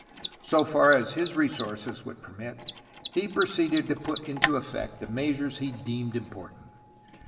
So far as his resources would permit, he proceeded to put into effect the measures he deemed important.